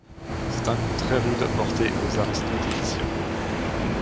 C'est un coup très rude porté aux aristotéliciens.